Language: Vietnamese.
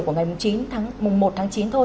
của ngày một tháng chín thôi